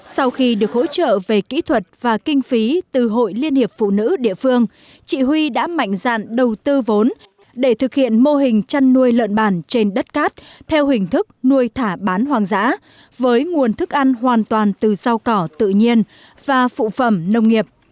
sau khi được hỗ trợ về kỹ thuật và kinh phí từ hội liên hiệp phụ nữ địa phương chị huy đã mạnh dạn đầu tư vốn để thực hiện mô hình chăn nuôi lợn bản trên đất cát theo hình thức nuôi thả bán hoang dã với nguồn thức ăn hoàn toàn từ rau cỏ tự nhiên và phụ phẩm nông nghiệp